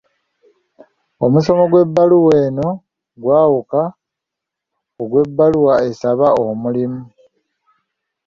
Omusomo gw'ebbaluwa eno gwawuka ku gw'ebbaluwa esaba omulimu.